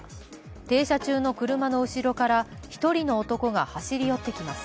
停車中の車の後ろから１人の男が走り寄ってきます。